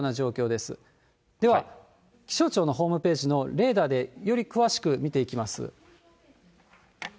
では、気象庁のホームページのレーダーでより詳しく見ていきます。